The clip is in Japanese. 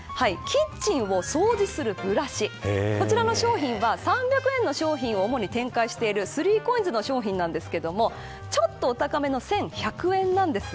キッチンを掃除するブラシこちらの商品は３００円の商品を主に展開している３ＣＯＩＮＳの商品ですが少し高めの１１００円なんです。